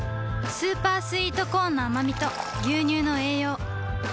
スーパースイートコーンのあまみと牛乳の栄養